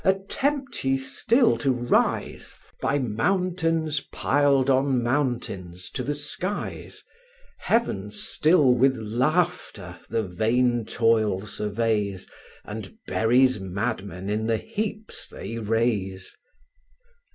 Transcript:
attempt ye still to rise, By mountains piled on mountains, to the skies, Heaven still with laughter the vain toil surveys, And buries madmen in the heaps they raise.